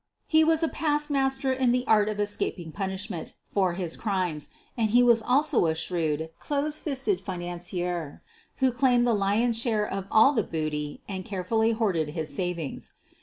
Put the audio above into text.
He was a past master in the art of escaping punishment foe his crimes, and he was also a shrewd, close fisted financier, who claimed the lion's share of all the booty and carefully hoarded his savings.